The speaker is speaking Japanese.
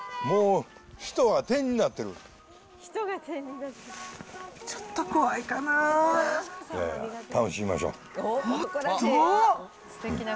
もう、ちょっと怖いかなー。